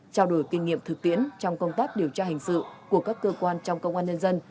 trao đổi kinh nghiệm thực tiễn trong công tác điều tra hình sự của các cơ quan trong công an nhân dân